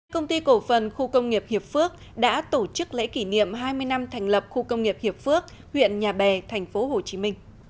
công ty cổ phần khu công nghiệp hiệp phước đã tổ chức lễ kỷ niệm hai mươi năm thành lập khu công nghiệp hiệp phước huyện nhà bè tp hcm